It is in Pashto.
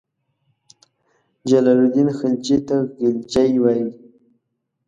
جلال الدین خلجي ته غلجي وایي.